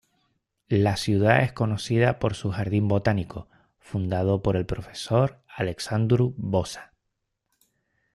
La ciudad es conocida por su jardín botánico, fundado por el profesor Alexandru Boza.